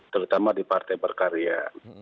terutama di partai berkarya